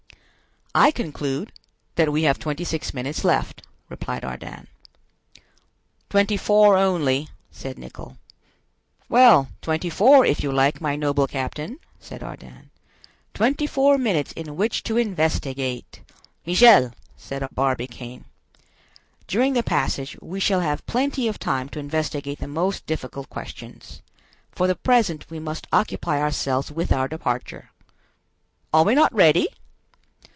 "I conclude that we have twenty six minutes left," replied Ardan. "Twenty four only," said Nicholl. "Well, twenty four, if you like, my noble captain," said Ardan; "twenty four minutes in which to investigate—" "Michel," said Barbicane, "during the passage we shall have plenty of time to investigate the most difficult questions. For the present we must occupy ourselves with our departure." "Are we not ready?"